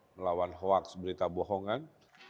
melawan hoaks berita bohongan